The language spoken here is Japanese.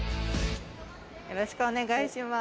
よろしくお願いします。